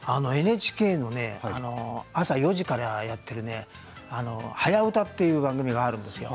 あのＮＨＫのね朝４時からやっている「はやウタ」という番組があるんですよ。